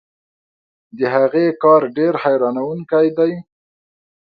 د هغې کار ډېر حیرانوونکی دی.